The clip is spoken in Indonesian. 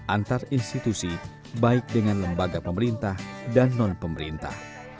antar institusi baik dengan lembaga pemerintah dan non pemerintah